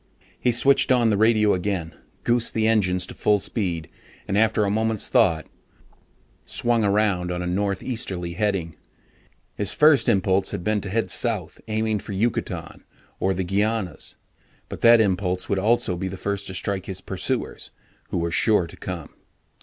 He switched on the radio again, goosed the engines to full speed, and after a moment's thought, swung around on a northeasterly heading. His first impulse had been to head south, aiming for Yucatan, or the Guianas but that impulse would also be the first to strike his pursuers who were sure to come.